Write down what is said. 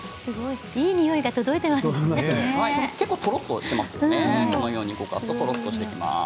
いいにおいが届いています。